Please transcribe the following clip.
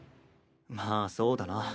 まあそうだな。